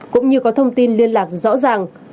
cũng như có thông tin liên lạc rõ ràng